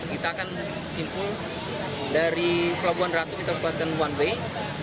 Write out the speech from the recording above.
kita akan simpul dari pelabuhan ratu kita buatkan one way